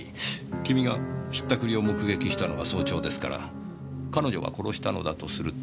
君が引ったくりを目撃したのは早朝ですから彼女が殺したのだとすると。